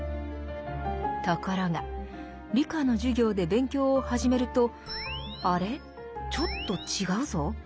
ところが理科の授業で勉強を始めると「あれ？ちょっと違うぞ？」。